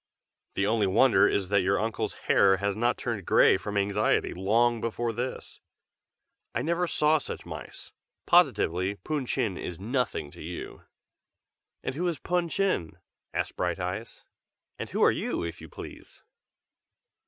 The only wonder is that your uncle's hair has not turned gray from anxiety, long before this. I never saw such mice. Positively, Pun Chin is nothing to you." "And who is Pun Chin?" asked Brighteyes. "And who are you, if you please?"